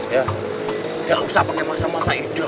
ya gak usah pake masa masa ida